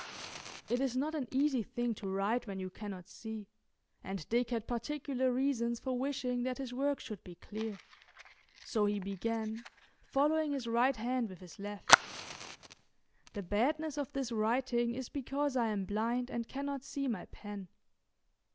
It is not an easy thing to write when you cannot see, and Dick had particular reasons for wishing that his work should be clear. So he began, following his right hand with his left: ""The badness of this writing is because I am blind and cannot see my pen."